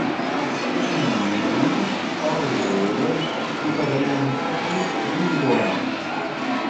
Ĉiuj parolas diferencan lingvon.